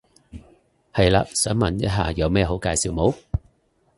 係嘞，想問一下有咩好介紹冇？